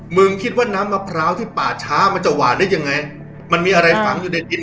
คิดว่าน้ำมะพร้าวที่ป่าช้ามันจะหวานได้ยังไงมันมีอะไรฝังอยู่ในดิน